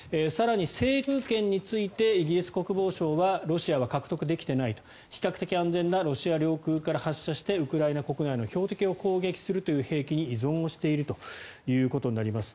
更に制空権についてイギリス国防省はロシアは獲得できていないと比較的安全なロシア領空から発射してウクライナ国内の標的を攻撃する兵器に依存しているということです。